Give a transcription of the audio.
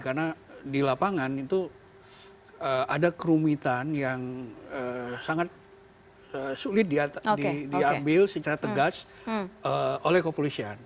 karena di lapangan itu ada kerumitan yang sangat sulit diambil secara tegas oleh kepolisian